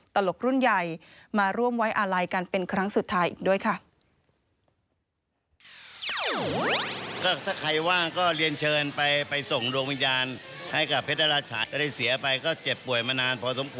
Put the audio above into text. ตลกรุ่นใหญ่มาร่วมไว้อาลัยกันเป็นครั้งสุดท้ายอีกด้วยค่ะ